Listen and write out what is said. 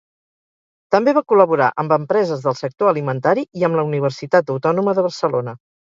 També va col·laborar amb empreses del sector alimentari i amb la Universitat Autònoma de Barcelona.